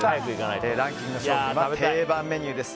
ランキング上位は定番メニューです。